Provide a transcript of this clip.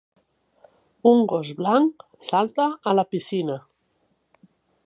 Un gos blanc salta a la piscina.